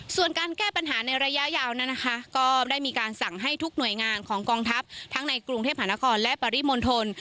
ส่วนการแก้ปัญหาในระยะยาวนั้นนะคะก็ได้มีการสั่งให้ทุกหน่วยงานของกองทัพทั้งในกรุงเทพหานครและปริมณฑล